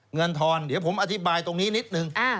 ทอนเดี๋ยวผมอธิบายตรงนี้นิดนึง